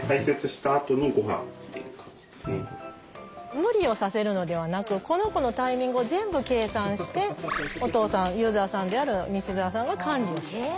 無理をさせるのではなくこの子のタイミングを全部計算してお父さんユーザーさんである西澤さんが管理をしている。